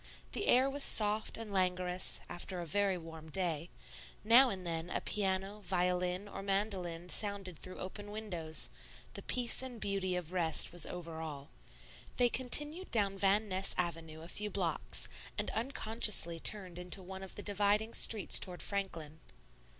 The air was soft and languorous after a very warm day; now and then a piano, violin, or mandolin sounded through open windows; the peace and beauty of rest was over all. They continued down Van Ness Avenue a few blocks, and unconsciously turned into one of the dividing streets toward Franklin.